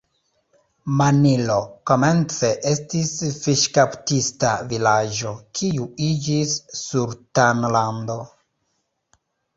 Manilo komence estis fiŝkaptista vilaĝo, kiu iĝis sultanlando.